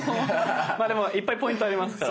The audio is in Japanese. まあでもいっぱいポイントありますから。